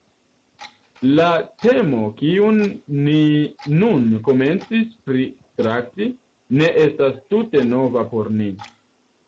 La temo, kiun ni nun komencis pritrakti, ne estas tute nova por ni.